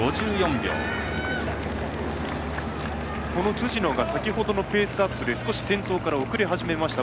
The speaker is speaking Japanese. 辻野が先ほどのペースアップで遅れ始めました。